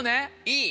いい。